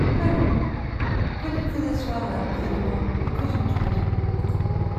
Allons, venez vous asseoir là, près de moi, et causons tous les deux.